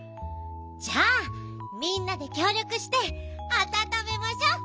じゃあみんなできょうりょくしてあたためましょ！